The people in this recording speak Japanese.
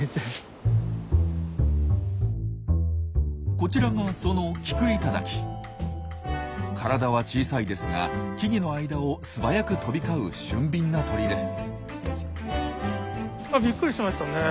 こちらがその体は小さいですが木々の間を素早く飛び交う俊敏な鳥です。